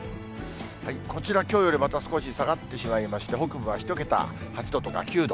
こちら、きょうよりまた少し下がってしまいまして、北部は１桁、８度とか９度。